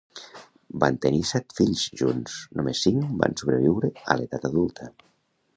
Van tenir set fills junts; només cinc van sobreviure a l'edat adulta.